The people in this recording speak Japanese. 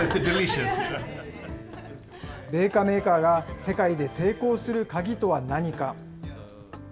米菓メーカーが世界で成功する鍵とは何か。